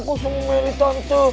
gak usah mau melih tante